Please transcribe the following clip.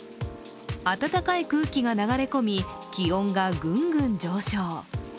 暖かい空気が流れ込み、気温がグングン上昇。